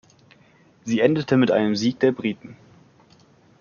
Sie endete mit einem Sieg der Briten.